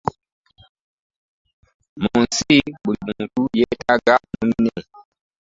mu nsi buli muntu yeetaaga munne.